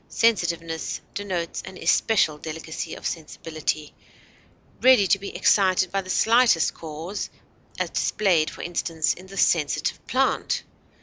Sensitiveness denotes an especial delicacy of sensibility, ready to be excited by the slightest cause, as displayed, for instance, in the "sensitive plant."